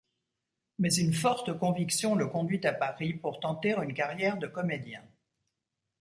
Mais une forte conviction le conduit à Paris pour tenter une carrière de comédien.